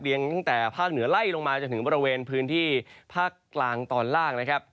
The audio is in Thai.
ตั้งแต่ภาคเหนือไล่ลงมาจนถึงบริเวณพื้นที่ภาคกลางตอนล่างนะครับ